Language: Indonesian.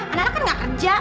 anak anak kan gak kerja